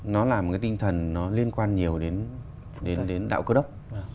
nó là một cái tinh thần liên quan nhiều đến đạo cơ đốc